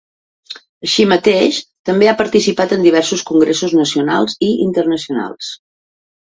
Així mateix, també ha participat en diversos congressos nacionals i internacionals.